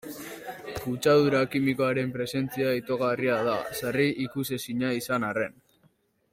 Kutsadura kimikoaren presentzia itogarria da, sarri ikusezina izan arren.